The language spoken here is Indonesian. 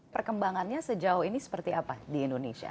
perkembangannya sejauh ini seperti apa di indonesia